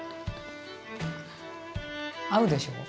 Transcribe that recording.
合うでしょ？